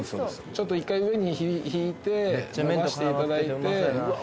ちょっと一回上に引いて伸ばしていただいてうわ